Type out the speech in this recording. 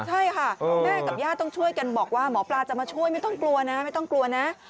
ใช่ค่ะแม่กับญาติต้องช่วยกันบอกว่าหมอปลาจะมาช่วยไม่ต้องกลัวนะ